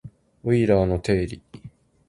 オイラーの定理